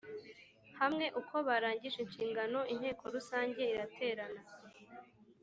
hamwe uko barangije inshingano Inteko Rusange iraterana